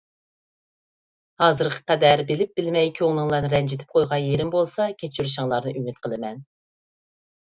ھازىرغا قەدەر بىلىپ بىلمەي كۆڭلۈڭلارنى رەنجىتىپ قويغان يېرىم بولسا كەچۈرۈشۈڭلارنى ئۈمىد قىلىمەن.